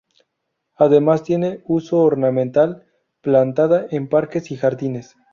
Además tiene uso ornamental, plantada en parques y jardines.